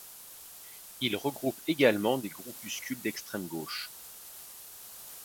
Il regroupe également des groupuscules d'extrême-gauche.